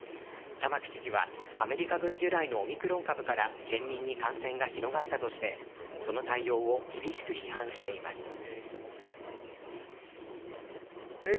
玉城知事はアメリカ軍由来のオミクロン株から県民に感染が広がったとして、その対応を厳しく批判しています。